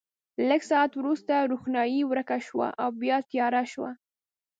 لږ ساعت وروسته روښنايي ورکه شوه او بیا تیاره شوه.